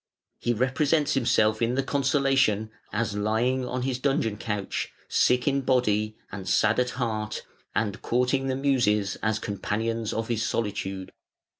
He represents himself in the "Consolation" as lying on his dungeon couch, sick in body and sad at heart, and courting the Muses as companions of his solitude.